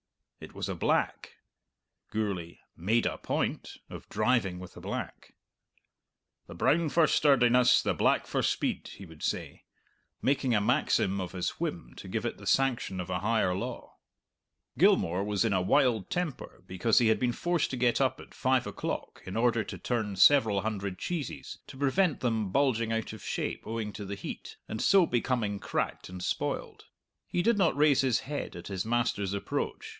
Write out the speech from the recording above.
It was a black Gourlay "made a point" of driving with a black. "The brown for sturdiness, the black for speed," he would say, making a maxim of his whim to give it the sanction of a higher law. Gilmour was in a wild temper because he had been forced to get up at five o'clock in order to turn several hundred cheeses, to prevent them bulging out of shape owing to the heat, and so becoming cracked and spoiled. He did not raise his head at his master's approach.